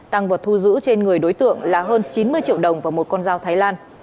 tăng vật thu giữ trên người đối tượng là hơn chín mươi triệu đồng và một con dao thái lan